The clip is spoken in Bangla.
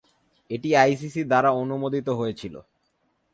এটি আইসিসি দ্বারা অনুমোদিত হয়েছিল।